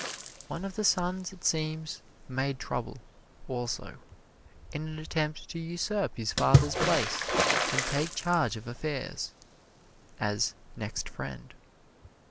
One of the sons it seems made trouble, also, in an attempt to usurp his father's place and take charge of affairs, as "next friend."